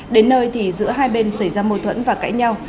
đến nơi thì giữa hai bên xảy ra mâu thuẫn và cãi nhau